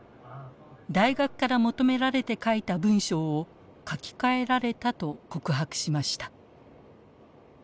大学から求められて書いた文章を書き換えられたと告白しました。